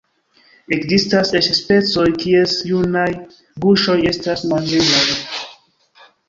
Ekzistas eĉ specoj, kies junaj guŝoj estas manĝeblaj.